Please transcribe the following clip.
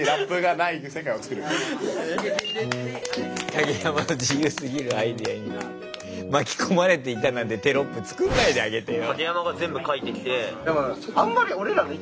「カゲヤマの自由すぎるアイデアに巻き込まれていた」なんてテロップ作んないであげてよ。